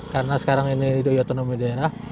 karena sekarang ini di uyotono medanah